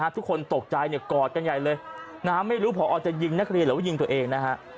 ทุกคนตกใจกอดกันใหญ่เลยไม่รู้พอจะยิงนักเรียนหรือว่ายิงตัวเองนะฮะ